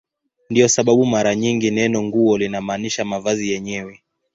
Ndiyo sababu mara nyingi neno "nguo" linamaanisha mavazi yenyewe.